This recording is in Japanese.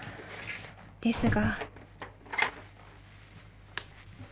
［ですが］